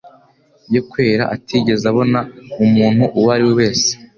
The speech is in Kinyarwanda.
yo kwera atigeze abona mu muntu uwo ari we wese.